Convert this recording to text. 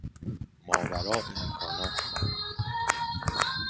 ماوراء امکانات ما